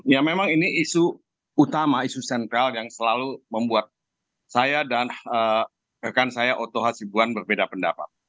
ya memang ini isu utama isu sentral yang selalu membuat saya dan rekan saya oto hasibuan berbeda pendapat